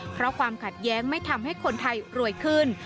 เพราะความขัดแย้งไม่ทำให้คนไทยรวยขึ้น